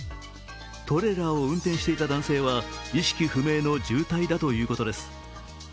トレーラーを運転していた男性は意識不明の重体だということです。